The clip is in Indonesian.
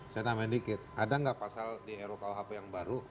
saya tambahin dikit ada nggak pasal di rukuhp yang baru